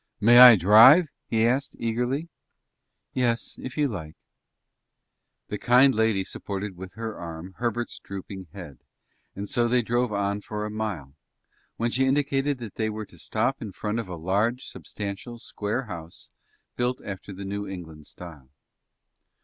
"May I drive?" he asked, eagerly. "Yes, if you like." The kind lady supported with her arm Herbert's drooping head, and so they drove on for a mile, when she indicated that they were to stop in front of a large, substantial, square house, built after the New England style.